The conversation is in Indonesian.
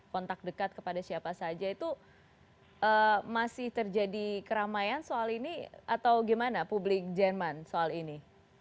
kontak dekat kepada siapa saja itu masih terjadi keramaian soal ini atau gimana publik jerman soal ini